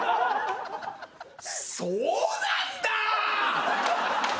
そうなんだ！